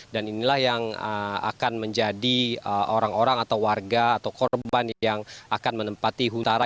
dan inilah yang akan menjadi orang orang atau warga atau korban yang akan menempati huntara